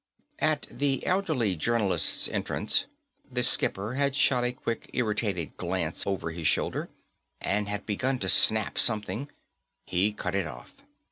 At the elderly journalist's entrance, the skipper had shot a quick, irritated glance over his shoulder and had begun to snap something; he cut it off.